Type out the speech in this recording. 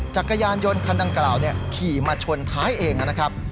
จักรยานยนต์คันดังกล่าวขี่มาชนท้ายเองนะครับ